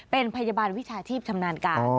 เป็นพยาบาลวิชาชีพชำนาญการ